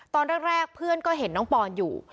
ตอนแรกเพื่อนก็เห็นน้องปอนอยู่